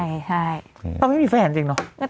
ใช่ใช่ต้องให้มีแฟนจริงเนอะ